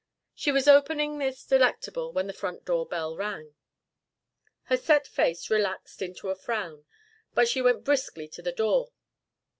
She was opening this delectable when the front door bell rang. Her set face relaxed into a frown, but she went briskly to the door.